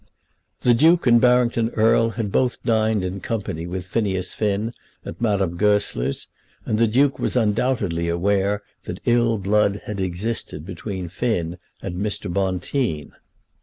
The Duke and Barrington Erle had both dined in company with Phineas Finn at Madame Goesler's, and the Duke was undoubtedly aware that ill blood had existed between Finn and Mr. Bonteen.